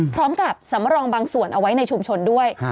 สำหรับสำรองบางส่วนเอาไว้ในชุมชนด้วย